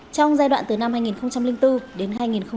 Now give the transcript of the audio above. trong giai đoạn từ năm hai nghìn bốn đến hai nghìn một mươi